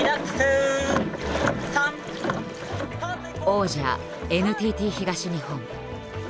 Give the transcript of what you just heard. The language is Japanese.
王者ＮＴＴ東日本。